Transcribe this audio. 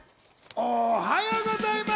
おはようございます！